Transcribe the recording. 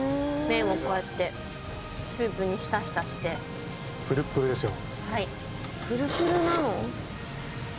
麺をこうやってスープにひたひたしてプルップルでしょ